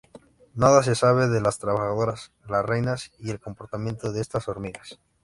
Nada se sabe de las trabajadoras, las reinas y el comportamiento de estas hormigas.